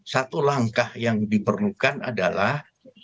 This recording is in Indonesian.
satu langkah yang diperlukan adalah